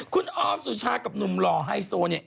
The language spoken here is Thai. คุณออมสุชากับหนุ่มหล่อไฮโซเนี่ย